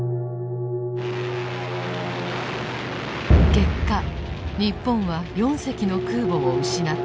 結果日本は４隻の空母を失って敗北。